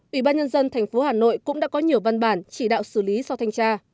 ủy ban nhân dân tp hà nội cũng đã có nhiều văn bản chỉ đạo xử lý sau thanh tra